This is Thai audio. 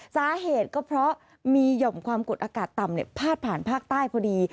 สาเหตุก็เพราะมีหย่อมความกดอากาศต่ำพาดผ่านภาคใต้พอดี